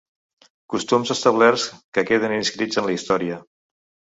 Costums establerts que queden inscrits en la història.